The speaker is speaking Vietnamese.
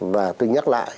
và tôi nhắc lại